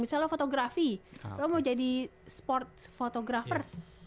misalnya lu fotografi lu mau jadi sports photographer